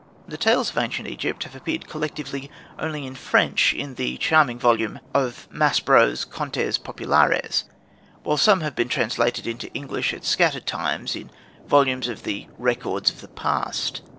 The tales of ancient Egypt have appeared collectively only in French, in the charming volume of Maspero's "Contes Populaires"; while some have been translated into English at scattered times in volumes of the "Records of the Past."